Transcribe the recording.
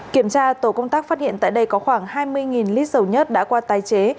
kiểm tra tổ công tác phát hiện tại đây có khoảng hai mươi lít dầu nhất đã qua tái chế